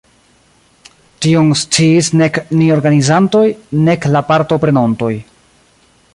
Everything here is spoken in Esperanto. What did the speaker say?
Tion sciis nek ni organizantoj, nek la partoprenontoj.